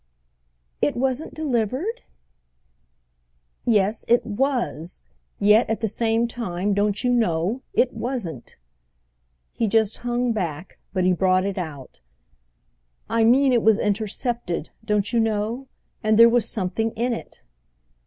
"It wasn't delivered?" "Yes, it was; yet, at the same time, don't you know? it wasn't." He just hung back, but he brought it out. "I mean it was intercepted, don't you know? and there was something in it."